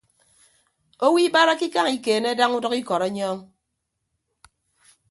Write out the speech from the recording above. Owo ibarake ikañ ikeene daña udʌk ikọt ọnyọọñ.